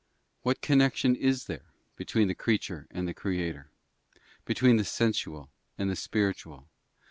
What connection is there between the creature and the Creator? Between the sensual and the spiritual?